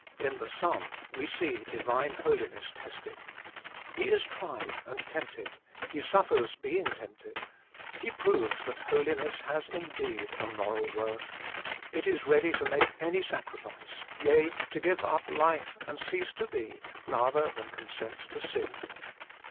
In the Son we see Divine Holiness tested. He is tried and tempted. He suffers, being tempted. He proves that Holiness has indeed a moral worth : it is ready to make any sacrifice, yea to give up life and cease to be, rather than consent to sin.